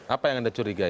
apa yang anda curigai